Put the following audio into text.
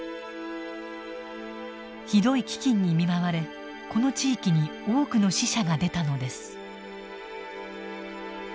ひどい飢饉に見舞われこの地域に多くの死者が出たのです。